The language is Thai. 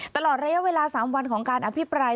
ตลอดระยะเวลา๓วันของการอภิปราย